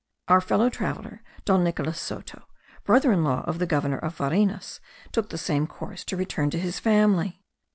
Our fellow traveller, Don Nicolas Soto, brother in law of the governor of Varinas, took the same course to return to his family.